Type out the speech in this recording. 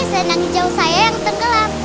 seenak hijau saya yang tenggelam